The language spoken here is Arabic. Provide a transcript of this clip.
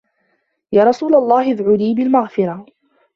يَا رَسُولَ اللَّهِ أَدْعُ لِي بِالْمَغْفِرَةِ